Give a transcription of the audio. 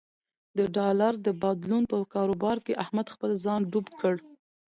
د ډالر د بدلون په کاروبار کې احمد خپل ځان ډوب یې کړ.